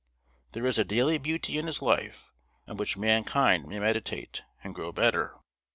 There is a "daily beauty in his life," on which mankind may meditate, and grow better.